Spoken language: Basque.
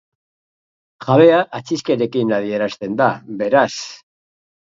Jabea atzizkiarekin adierazten da, beraz.